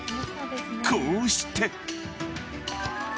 こうして。